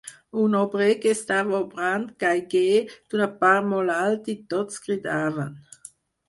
Un obrer que estava obrant caigué d’una part molt alta i tots cridaven.